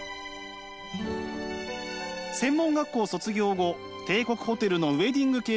専門学校卒業後帝国ホテルのウエディングケーキ